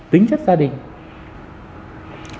tính chất gia đình